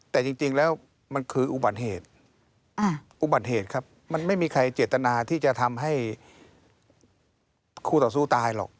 แต่จริงแล้วมันคืออุบัติเหตุอุบัติเหตุครับมันไม่มีใครเจตนาที่จะทำให้คู่ต่อสู้ตายหรอก